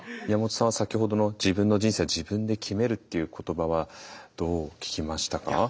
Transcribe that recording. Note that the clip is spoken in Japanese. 宮本さんは先ほどの「自分の人生は自分で決める」っていう言葉はどう聞きましたか？